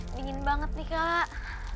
dingin banget nih kak